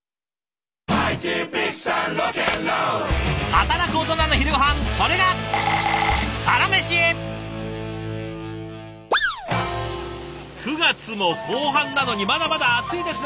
働くオトナの昼ごはんそれが９月も後半なのにまだまだ暑いですね！